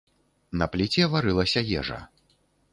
На пліце варылася ежа.